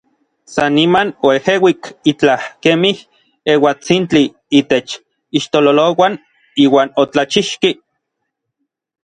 San niman oejeuik itlaj kemij euatsintli itech ixtololouan iuan otlachixki.